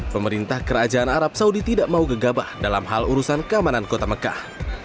pemerintah kerajaan arab saudi tidak mau gegabah dalam hal urusan keamanan kota mekah